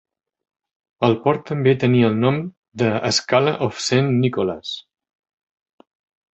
El port també tenia el nom de Skala of Saint Nicholas.